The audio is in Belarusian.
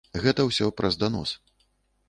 Гэта ўсё праз данос.